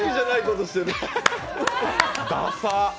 ダサっ。